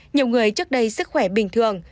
nhiều người trước đây sức khỏe bình thường